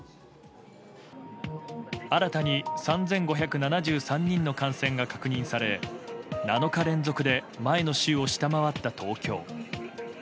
新たに３５７３人の感染が確認され７日連続で前の週を下回った東京。